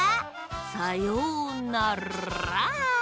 さようなら！